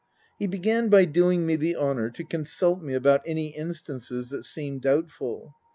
He began by doing me the honour to consult me about any instances that seemed doubtful.